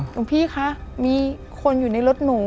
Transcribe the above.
หลวงพี่คะมีคนอยู่ในรถหนู